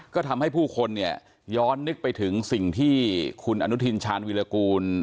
ก็ทำให้ผู้คนเนี่ยย้อนนึกไปถึงสิ่งที่คุณอนุทินชาญวิรากูล